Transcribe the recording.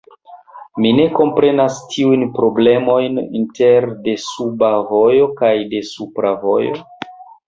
Mi ne komprenas tiujn problemojn inter desuba vojo kaj desupra vojo?